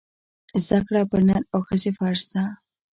زده کړه پر نر او ښځي فرځ ده